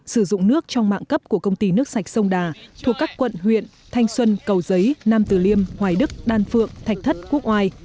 sử dụng nước trong mạng cấp của công ty nước sạch sông đà thuộc các quận huyện thanh xuân cầu giấy nam tử liêm hoài đức đan phượng thạch thất quốc ngoài